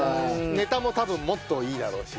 ネタも多分もっといいだろうし。